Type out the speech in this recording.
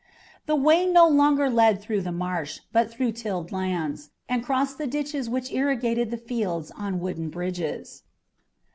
The way no longer led through the marsh, but through tilled lands, and crossed the ditches which irrigated the fields on wooden bridges.